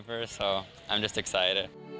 ผมรู้ว่าจะเจอกลับทุนที่ลูกน้ำ